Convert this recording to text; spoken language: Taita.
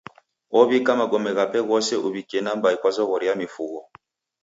Okumba magome ghape ghose uw'ikie nambai kwa zoghori ya mifugho.